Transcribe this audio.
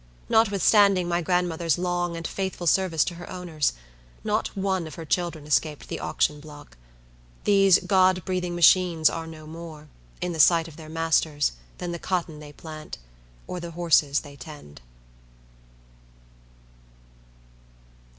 Notwithstanding my grandmother's long and faithful service to her owners, not one of her children escaped the auction block. These God breathing machines are no more, in the sight of their masters, than the cotton they plant, or the horses they tend.